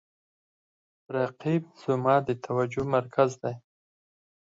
رقیب زما د توجه مرکز دی